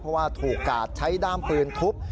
เพราะว่าถูกกาดใช้ด้ามปืนทุบ